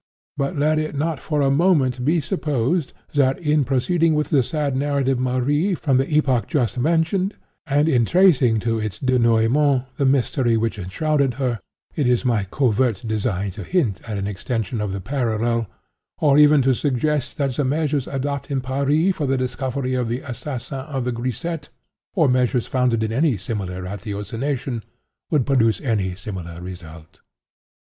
But let it not for a moment be supposed that, in proceeding with the sad narrative of Marie from the epoch just mentioned, and in tracing to its dénouement the mystery which enshrouded her, it is my covert design to hint at an extension of the parallel, or even to suggest that the measures adopted in Paris for the discovery of the assassin of a grisette, or measures founded in any similar ratiocination, would produce any similar result.